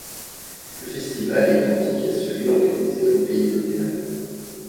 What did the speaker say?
Le festival est identique à celui organisé au pays de Galles.